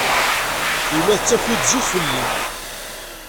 Yemma tettaki-d zik fell-i.